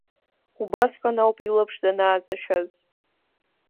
Убасҟан ауп илаԥш данааҵашәаз.